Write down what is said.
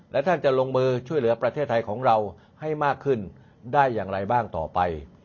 และท่านจะลงมือช่วยเหลือประเทศไทยของเราให้มากขึ้นได้อย่างไรบ้างต่อไป